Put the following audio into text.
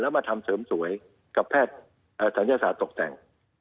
มาทำเสริมสวยกับแพทย์ศัลยศาสตร์ตกแต่ง